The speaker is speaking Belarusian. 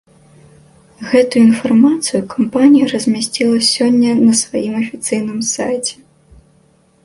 Гэтую інфармацыю кампанія размясціла сёння на сваім афіцыйным сайце.